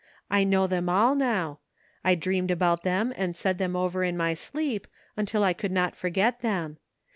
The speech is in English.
I know them all now. I dreamed about them and said them over in my sleep, until I could not forget them.